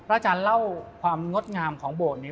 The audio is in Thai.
อาจารย์เล่าความงดงามของโบสถ์นี้